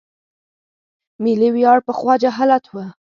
ملي ویاړ پخوا جهالت و.